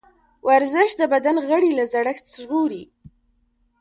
ورزش د بدن غړي له زړښت ژغوري.